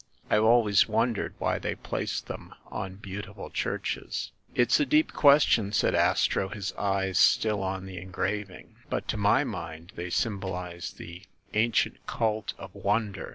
I've always wondered why they placed them on beautiful churches." "It's a deep question," said Astro, his eyes still on the engraving. "But to my mind they symbolize the ancient cult of Wonder.